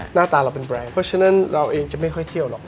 หน้าตาเราเป็นแรงเพราะฉะนั้นเราเองจะไม่ค่อยเที่ยวหรอก